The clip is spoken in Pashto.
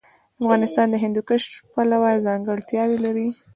افغانستان د هندوکش پلوه ځانګړتیاوې لري.